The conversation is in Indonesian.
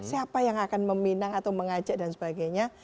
siapa yang akan meminang atau mengajak dan sebagainya